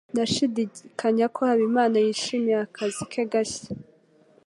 Ndashidikanya ko Habimana yishimiye akazi ke gashya.